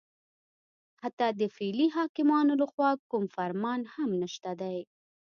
حتی د فعلي حاکمانو لخوا کوم فرمان هم نشته دی